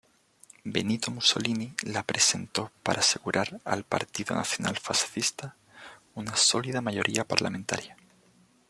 Benito Mussolini la presentó para asegurar al Partido Nacional Fascista una sólida mayoría parlamentaria.